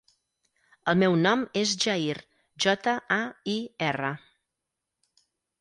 El meu nom és Jair: jota, a, i, erra.